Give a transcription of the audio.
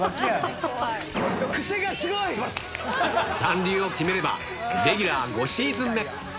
残留を決めれば、レギュラー５シーズン目。